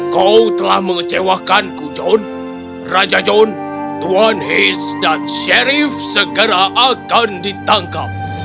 kau telah mengecewakanku john raja john tuan heis dan sherif segera akan ditangkap